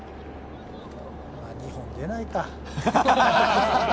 ２本出ないかぁ。